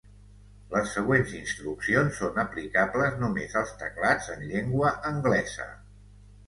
Les següents instruccions són aplicables només als teclats en llengua anglesa.